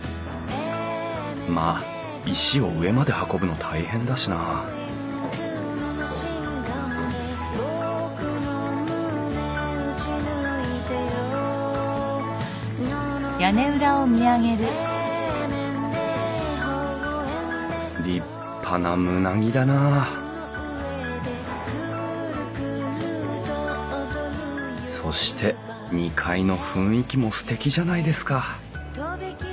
まあ石を上まで運ぶの大変だしな立派な棟木だなそして２階の雰囲気もすてきじゃないですか